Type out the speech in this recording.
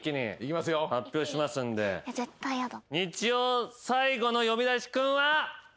絶対やだ。